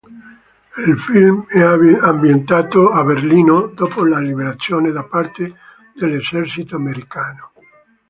Il film è ambientato a Berlino dopo la liberazione da parte dell'esercito americano.